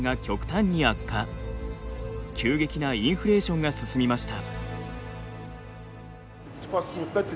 急激なインフレーションが進みました。